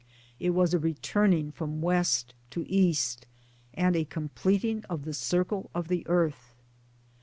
It was a returning from West to East, and a completing of the circle of the Earth.